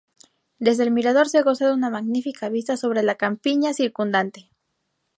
Desde el mirador se goza de una magnífica vista sobre la campiña circundante.